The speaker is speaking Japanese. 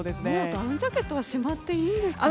ダウンジャケットはしまっていいんですかね。